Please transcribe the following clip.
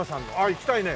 行きたいね。